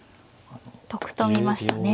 得と見ましたね